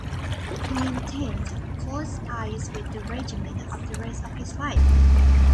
He maintained close ties with the regiment for the rest of his life.